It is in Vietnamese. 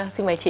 xin mời chị